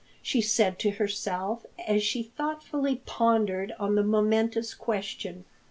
she said to herself as she thoughtfully pondered on the momentous question.